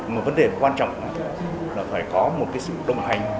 một vấn đề quan trọng là phải có một sự đồng hành